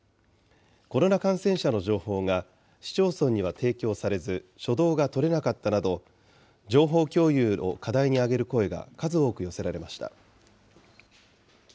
コロナ感染者の情報が市町村には提供されず、初動が取れなかったなど、情報共有を課題に挙げる声が数多く寄せられました。